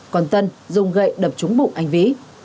còn tân dùng gậy đập trúng bụng anh vĩ